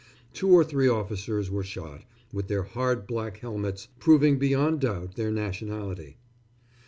Two or three officers were shot, with their hard black helmets, proving beyond doubt their nationality....